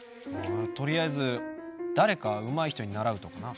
とりあえずだれかうまい人にならうとかな。